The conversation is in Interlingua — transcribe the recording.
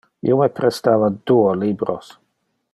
Io me prestava duo libros.